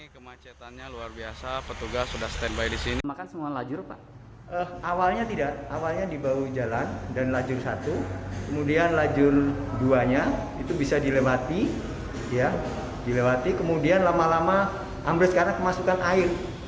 kemudian lama lama amblas karena kemasukan air